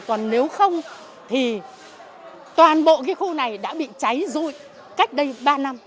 còn nếu không thì toàn bộ cái khu này đã bị cháy rụi cách đây ba năm